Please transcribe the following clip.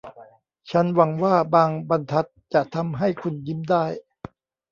ฉันหวังว่าบางบรรทัดจะทำให้คุณยิ้มได้